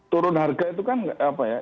turun harga itu kan apa ya